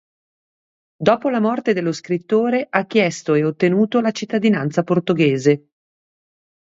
Dopo la morte dello scrittore ha chiesto e ottenuto la cittadinanza portoghese.